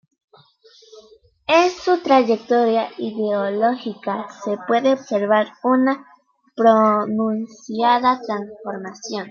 En su trayectoria ideológica se puede observar una pronunciada transformación.